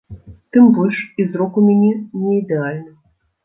Тым больш, і зрок у мяне не ідэальны.